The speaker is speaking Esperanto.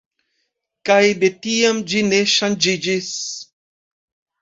Kaj de tiam, ĝi ne ŝanĝiĝis.